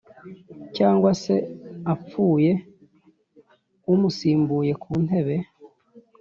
Cyangwa se apfuye umusimbuye ku ntebe